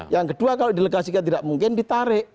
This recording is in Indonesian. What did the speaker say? yang kedua kalau delegasikan tidak mungkin ditarik